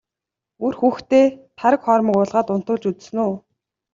Үр хүүхдээ тараг хоормог уулгаад унтуулж үзсэн үү?